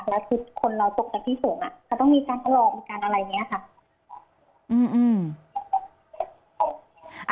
แล้วคือคนเราตกจากที่สูงอ่ะก็ต้องมีการทะลองกันอะไรเนี่ยค่ะ